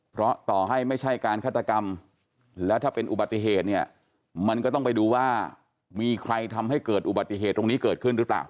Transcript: เพราะต่อให้ไม่ใช่การฆาตกรรมแล้วถ้าเป็นอุบัติเหตุเนี่ยมันก็ต้องไปดูว่ามีใครทำให้เกิดอุบัติเหตุตรงนี้เกิดขึ้นหรือเปล่า